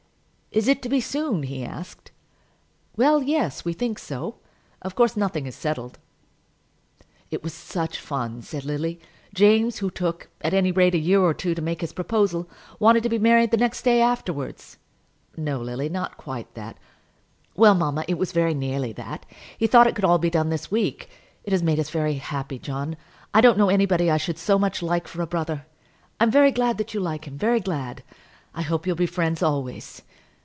"Is it to be soon?" he asked. "Well, yes; we think so. Of course nothing is settled." "It was such fun," said Lily. "James, who took, at any rate, a year or two to make his proposal, wanted to be married the next day afterwards." "No, Lily; not quite that." "Well, mamma, it was very nearly that. He thought it could all be done this week. It has made us so happy, John! I don't know anybody I should so much like for a brother. I'm very glad you like him; very glad. I hope you'll be friends always."